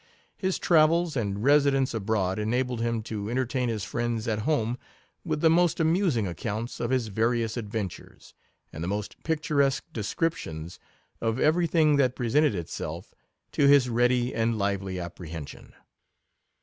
His travels and residence abroad enabled him to entertain his friends at home with the most amusing accounts of his various adventures, and the most picturesque descriptions of every thing that presented itself to his ready and lively ap prehension.